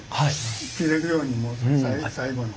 切れるようにもう最後の。